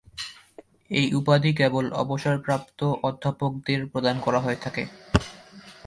এই উপাধি কেবল অবসরপ্রাপ্ত অধ্যাপকদের প্রদান করা হয়ে থাকে।